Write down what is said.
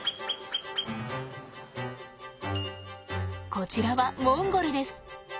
こちらはモンゴルです。